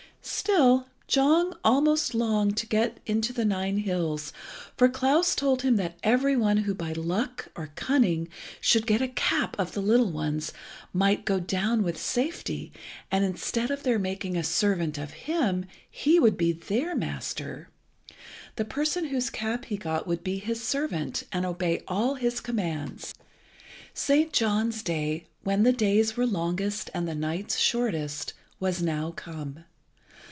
Still John almost longed to get into the Nine hills, for Klas told him that every one who by luck or cunning should get a cap of the little ones might go down with safety, and instead of their making a servant of him, he would be their master. The person whose cap he got would be his servant, and obey all his commands. St. John's day, when the days were longest and the nights shortest, was now come.